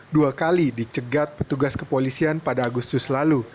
dua kali dicegat petugas kepolisian pada agustus lalu